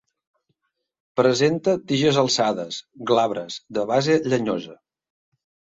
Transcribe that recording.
Presenta tiges alçades, glabres, de base llenyosa.